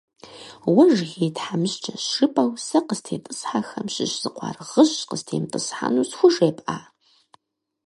Уэ Жыгей тхьэмыщкӀэщ, жыпӀэу сэ къыстетӀысхьэхэм щыщ зы къуаргъыжь къыстемытӀысхьэну схужепӀа?!